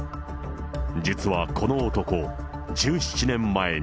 実はこの男、１７年前に。